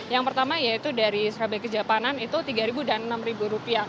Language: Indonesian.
yang pertama dari surabaya kejapanan itu rp tiga dan rp enam